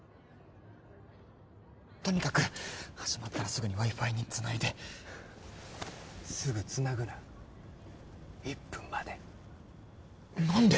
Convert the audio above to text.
とにかく始まったらすぐにＷｉ−Ｆｉにつないですぐつなぐな１分待て何で？